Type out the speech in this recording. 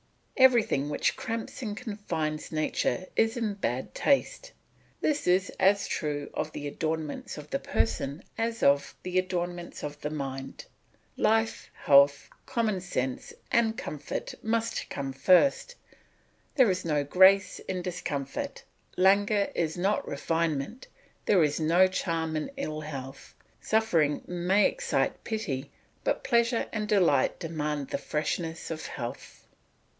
Everything which cramps and confines nature is in bad taste; this is as true of the adornments of the person as of the ornaments of the mind. Life, health, common sense, and comfort must come first; there is no grace in discomfort, languor is not refinement, there is no charm in ill health; suffering may excite pity, but pleasure and delight demand the freshness of health.